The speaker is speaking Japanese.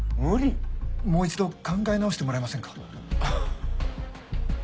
もう一度考え直してもらえませんか？